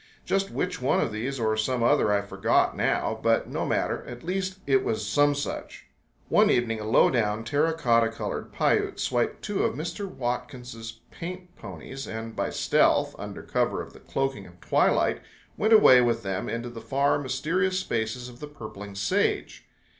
Just which one of these or some other I forgot now, but no matter; at least it was some such. One evening a low down terra cotta colored Piute swiped two of Mr. Watkins' paint ponies and by stealth, under cover of the cloaking twilight, went away with them into the far mysterious spaces of the purpling sage.